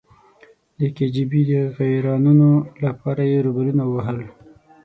د کې جی بي د غیرانونو لپاره یې روبلونه ووهل.